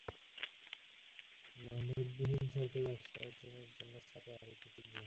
সাথে আরো কিছু জিনিস।